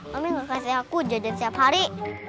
mami kasih aku jodan setiap hari